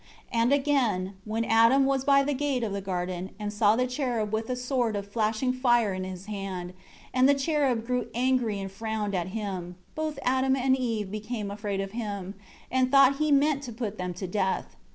10 And again, when Adam was by the gate of the garden, and saw the cherub with a sword of flashing fire in his hand, and the cherub grew angry and frowned at him, both Adam and Eve became afraid of him, and thought he meant to put them to death.